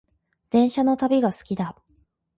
電車の旅が好きだ